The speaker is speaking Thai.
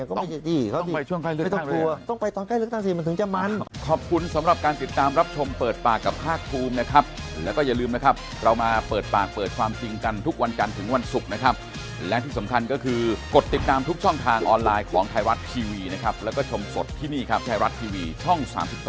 ก็ไม่ใช่ดีเขาดีไม่ต้องกลัวต้องไปช่วงใกล้ลึกตั้งสิมันถึงจะมัน